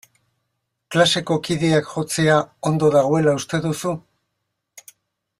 Klaseko kideak jotzea ondo dagoela uste duzu?